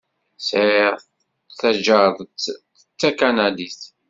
Sεiɣ taǧaret d takanadit.